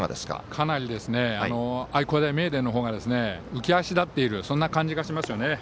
かなり愛工大名電の方が浮き足立っている感じがしますよね。